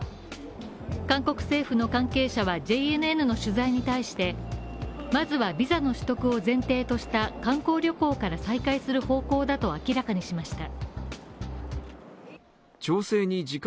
韓国政府の関係者はＪＮＮの取材に対してまずはビザの取得を前提とした観光旅行から再開する予定だと明らかにしました。